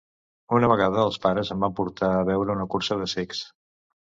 Una vegada els pares em van portar a veure una cursa de cecs.